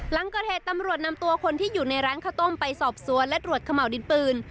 หลังเกิดเหตุตำรวจนำตัวคนที่อยู่ในร้านข้าวต้มไปสอบสวนและตรวจขม่าวดินปืน